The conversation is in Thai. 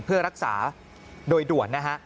เพื่อรักษาโดยด่วน